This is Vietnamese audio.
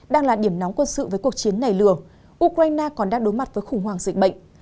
đang là điểm nóng quân sự với cuộc chiến này lừa ukraine còn đang đối mặt với khủng hoảng dịch bệnh